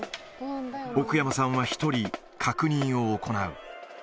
奥山さんは１人、確認を行う。